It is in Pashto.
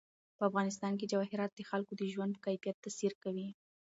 په افغانستان کې جواهرات د خلکو د ژوند په کیفیت تاثیر کوي.